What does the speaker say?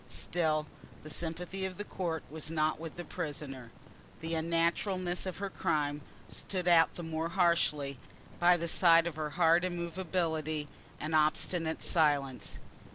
Still the sympathy of the court was not with the prisoner. The unnaturalness of her crime stood out the more harshly by the side of her hard immovability and obstinate silence.